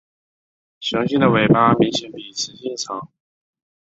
雄性的尾巴明显比雌性长。